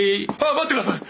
あ待ってください！